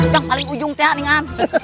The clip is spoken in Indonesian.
yang paling ujung teh kan